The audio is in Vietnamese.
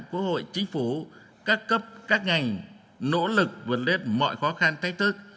quốc hội chính phủ các cấp các ngành nỗ lực vượt hết mọi khó khăn thách thức